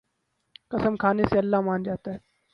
قسم کھانے سے اللہ مان جاتا ہے